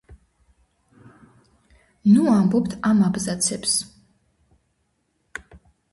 ნუ ამბობთ ამ აბზაცებს!!!